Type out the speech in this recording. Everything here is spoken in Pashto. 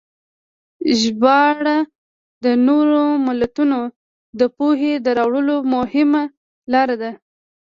ژباړه د نورو ملتونو د پوهې د راوړلو یوه مهمه لاره ده.